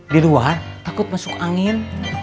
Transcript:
di luar takut masuk angin